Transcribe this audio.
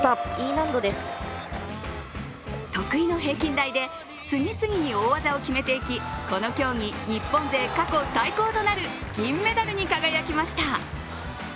得意の平均台で次々に大技を決めていきこの競技、日本勢過去最高となる銀メダルに輝きました。